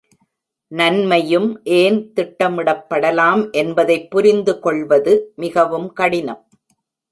நன்மையும் ஏன் திட்டமிடப்படலாம் என்பதைப் புரிந்துகொள்வது மிகவும் கடினம்.